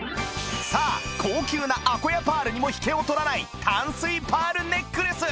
さあ高級なアコヤパールにも引けを取らない淡水パールネックレス